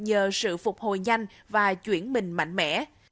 nhờ sự phục hồi nhanh và chuyển mình mạnh mẽ